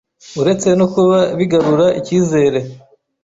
Uretse no kuba bigarura icyizere